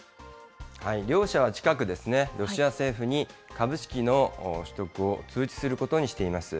両社は近く、ロシア政府に株式の取得を通知することにしています。